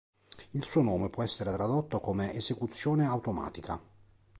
Il suo nome può essere tradotto come "esecuzione automatica".